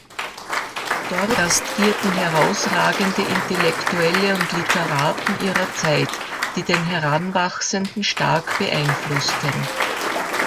Dort gastierten herausragende Intellektuelle und Literaten ihrer Zeit, die den Heranwachsenden stark beeinflussten.